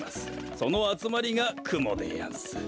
そのあつまりがくもでやんす。